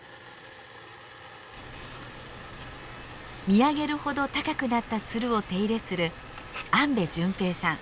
見上げるほど高くなったツルを手入れする安部純平さん。